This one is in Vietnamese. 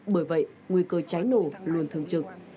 bởi vậy nguy cơ cháy nổ luôn thường trực